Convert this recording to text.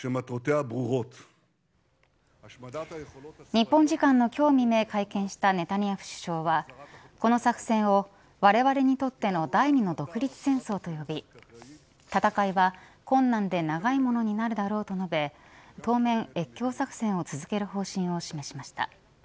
日本時間の今日未明、会見したネタニヤフ首相はこの作戦を、われわれにとっての第２の独立戦争と述べ戦いは困難で長いものになるだろうと述べ当面、越境作戦を続ける方針を示しました。